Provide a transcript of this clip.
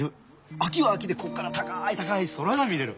秋は秋でここから高い高い空が見れる。